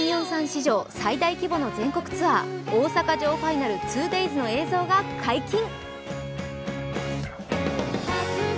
市場最大規模の全国ツアー大阪城ファイナル２Ｄａｙｓの映像が解禁。